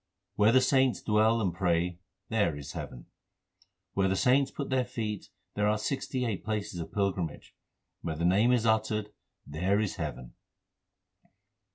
Where the saints dwell and pray, there is heaven : Where the saints put their feet, there are the sixty eight places of pilgrimage ; Where the Name is uttered, there is heaven.